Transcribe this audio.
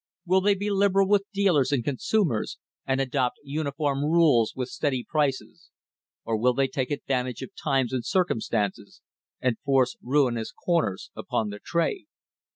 Will they be liberal with dealers and con sumers and adopt uniform rules with steady prices, or will they take advantage of times and circumstances and force ruinous corners upon the trade